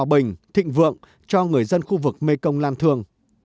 bình thịnh vượng cho người dân khu vực mekong lan thương